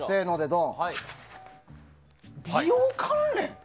美容関連？